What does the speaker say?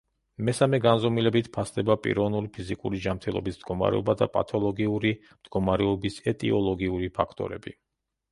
მესამე განზომილებით ფასდება პიროვნული ფიზიკური ჯანმრთელობის მდგომარეობა და პათოლოგიური მდგომარეობის ეტიოლოგიური ფაქტორები.